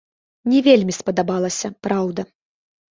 Не вельмі спадабалася, праўда.